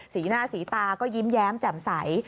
สีหน้าสีตาก็ยิ้มแย้มแจ่มใส